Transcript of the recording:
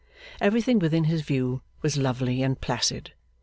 Everything within his view was lovely and placid.